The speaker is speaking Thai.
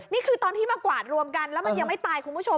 นี่คือตอนที่มากวาดรวมกันแล้วมันยังไม่ตายคุณผู้ชม